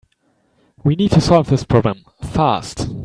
We need to solve this problem fast.